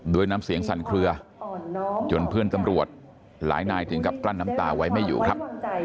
น้ำเสียงสั่นเคลือจนเพื่อนตำรวจหลายนายถึงกับกลั้นน้ำตาไว้ไม่อยู่ครับ